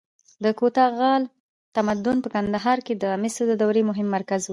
د کوتاه غال تمدن په کندهار کې د مسو د دورې مهم مرکز و